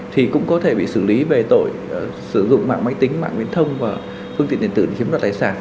thì cũng có thể bị xử lý về tội sử dụng mạng máy tính mạng viên thông và phương tiện tiền tử để chiếm đoạt tài sản